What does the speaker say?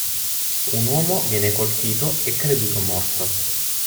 Un uomo viene colpito e creduto morto.